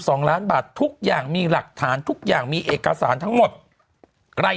สองล้านบาททุกอย่างมีหลักฐานทุกอย่างมีเอกสารทั้งหมดใคร